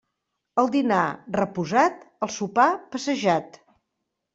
El dinar, reposat; el sopar, passejat.